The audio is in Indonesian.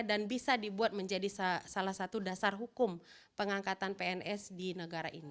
dan bisa dibuat menjadi salah satu dasar hukum pengangkatan pns di negara ini